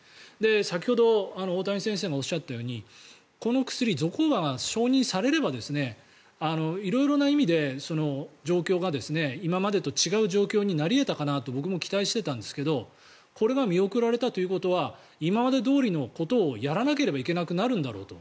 先ほど、大谷先生がおっしゃったようにこの薬、ゾコーバが承認されれば色々な意味で状況が今までと違う状況になり得たかなと僕も期待していたんですがこれが見送られたということは今までどおりのことをやらなければいけなくなるんだろうと。